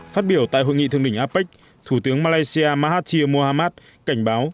phát biểu tại hội nghị thương đỉnh apec thủ tướng malaysia mahathir mohamad cảnh báo